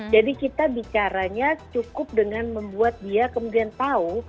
jadi kita bicaranya cukup dengan membuat dia kemudian tahu